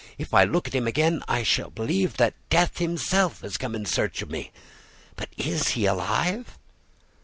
If I look at him again I shall believe that Death himself has come in search of me. But is he alive?"